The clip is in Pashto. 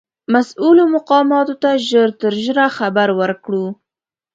مسؤولو مقاماتو ته ژر تر ژره خبر ورکړو.